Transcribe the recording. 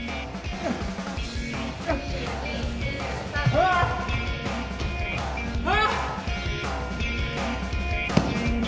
ああ！